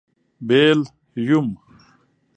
بېل. √ یوم